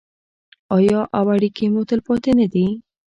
آیا او اړیکې مو تلپاتې نه دي؟